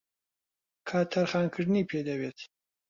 کات تەرخانکردنی پێدەوێت